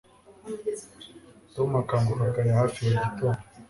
Tom akanguka kare hafi buri gitondo